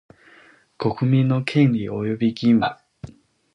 国民の権利及び義務